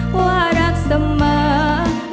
ว่ารักเสมอรักเธอคนเดียว